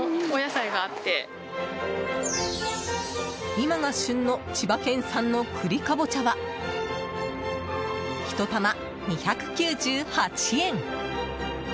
今が旬の千葉県産の栗カボチャは１玉２９８円。